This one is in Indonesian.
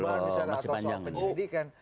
atau soal penyelidikan